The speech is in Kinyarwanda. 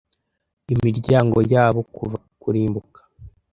imiryango yabo kuva kurimbuka.